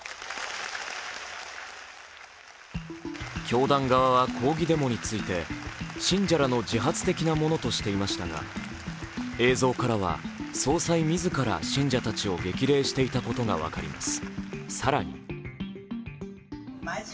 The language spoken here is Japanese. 教団側は抗議デモについて信者らの自発的なものとしていましたが映像からは総裁自ら信者たちを激励していたことが分かります。